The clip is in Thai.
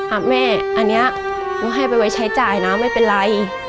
แม่อันนี้หนูให้ไปไว้ใช้จ่ายนะไม่เป็นไร